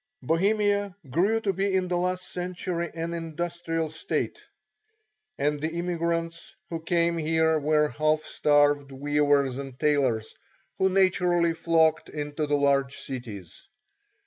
Bohemia grew to be in the last century an industrial state, and the immigrants who came here were half starved weavers and tailors, who naturally flocked to the large cities.